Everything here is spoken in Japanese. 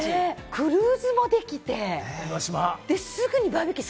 クルーズもできて、すぐにバーベキュー